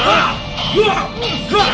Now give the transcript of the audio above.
aku akan mencari